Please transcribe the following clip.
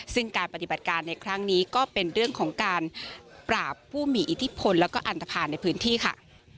ซึ่งการปฏิบัติการในครั้งนี้ก็เป็นเรื่องของการปราบผู้มีอิทธิพลแล้วก็อันตภัณฑ์ในพื้นที่ค่ะ